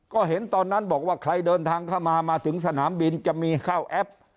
ก็เห็นตอนนั้นบอกว่าใครเดินทางเข้ามามาถึงสนามบินจะมีเข้าแอป